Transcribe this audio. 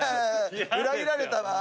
裏切られたわ。